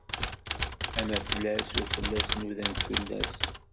Amaflas ur fell-as nudant tullas.